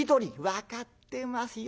「分かってますよ。